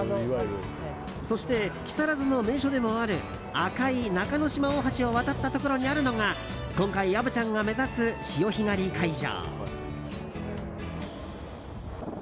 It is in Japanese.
そして、木更津の名所でもある赤い中の島大橋を渡ったところにあるのが今回、虻ちゃんが目指す潮干狩り会場。